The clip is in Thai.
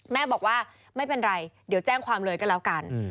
แม่บอกว่าไม่เป็นไรเดี๋ยวแจ้งความเลยก็แล้วกัน